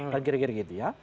kan kira kira gitu ya